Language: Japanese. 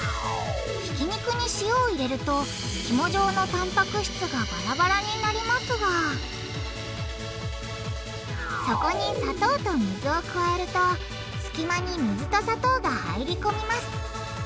ひき肉に塩を入れるとひも状のタンパク質がバラバラになりますがそこに砂糖と水を加えると隙間に水と砂糖が入り込みます